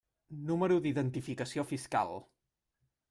Número d'identificació fiscal.